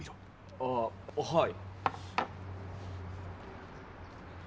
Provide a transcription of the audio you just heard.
ああはい。